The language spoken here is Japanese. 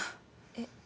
えっ。